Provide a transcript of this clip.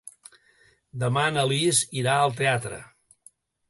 Demà na Lis irà al teatre.